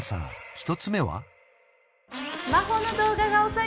１つ目は？